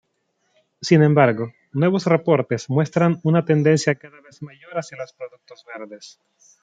Sin embargo, nuevos reportes muestran una tendencia cada vez mayor hacia los productos verdes.